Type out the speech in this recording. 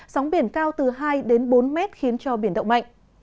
sóng biển cao từ hai đến bốn mét khiến cho biển động mạnh